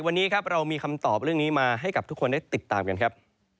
วันนี้ครับเรามีคำตอบเรื่องนี้มาให้กับทุกคนได้ติดตามกันครับ